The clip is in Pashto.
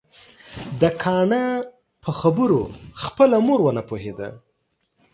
د کاڼه په خبرو خپله مور ونه پوهيده